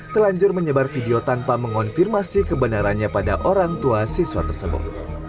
telanjur menyebar video tanpa mengonfirmasi kebenarannya pada orang tua siswa tersebut